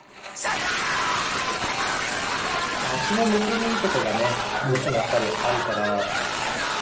足のむくみとかがねどうしてもやっぱりあるから。